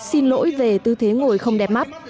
xin lỗi về tư thế ngồi không đẹp mắt